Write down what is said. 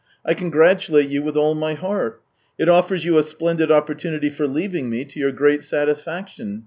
" I congratulate you with all my heart. It offers you a splendid oppor tunity for leaving me, to your great satisfaction.